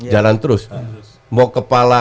jalan terus mau kepala